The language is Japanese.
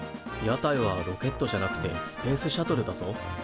屋台はロケットじゃなくてスペースシャトルだぞ。